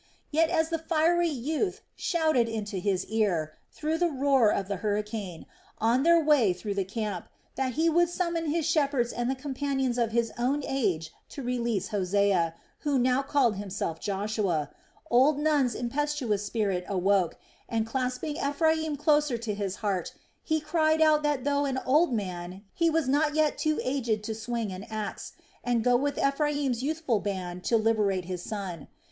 Yet as the fiery youth shouted into his ear, through the roar of the hurricane, on their way through the camp, that he would summon his shepherds and the companions of his own age to release Hosea, who now called himself Joshua, old Nun's impetuous spirit awoke and, clasping Ephraim closer to his heart, he cried out that though an old man he was not yet too aged to swing an axe and go with Ephraim's youthful band to liberate his son.